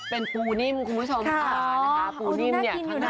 เป็นปูนิ่มคุณผู้ชมค่ะนะคะปูนิ่มเนี่ยข้างหน้า